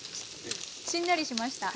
しんなりしました。